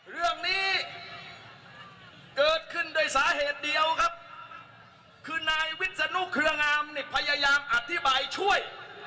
เรื่องนี้เกิดขึ้นด้วยสาเหตุเดียวครับคือนายวิศนุเครืองามนี่พยายามอธิบายช่วย